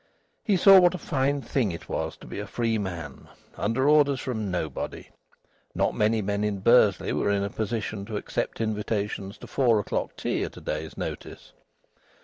He saw what a fine thing it was to be a free man, under orders from nobody; not many men in Bursley were in a position to accept invitations to four o'clock tea at a day's notice.